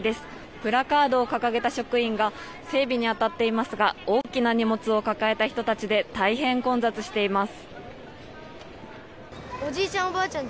プラカードを掲げた職員が整備に当たっていますが大きな荷物を抱えた人たちで大変混雑しています。